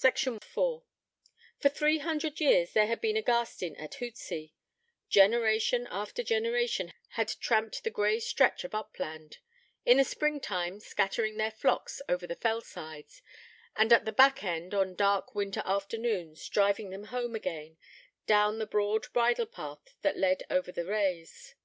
IV For three hundred years there had been a Garstin at Hootsey: generation after generation had tramped the grey stretch of upland, in the spring time scattering their flocks over the fell sides, and, at the 'back end', on dark, winter afternoons, driving them home again, down the broad bridle path that led over the 'raise'.